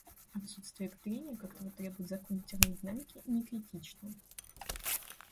Отсутствие трения, как того требуют законы термодинамики, не критично.